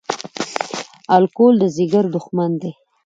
الکول د ځیګر دښمن دی